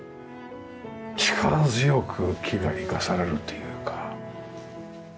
力強く木が生かされるというか。